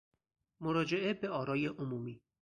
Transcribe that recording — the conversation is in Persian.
مراجعه به آرای عمومی